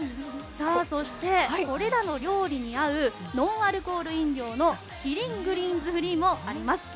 そして、これらの料理に合うノンアルコール飲料のキリングリーンズフリーもあります。